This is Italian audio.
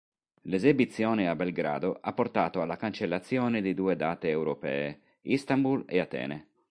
L'esebizione a Belgrado ha portato alla cancellazione di due date europee: Istanbul e Atene.